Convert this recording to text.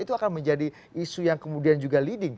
itu akan menjadi isu yang kemudian juga leading